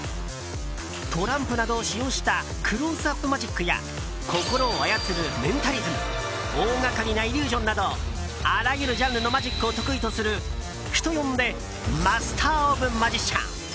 トランプなどを使用したクローズアップマジックや心を操るメンタリズム大がかりなイリュージョンなどあらゆるジャンルのマジックを得意とする人呼んでマスター・オブ・マジシャン。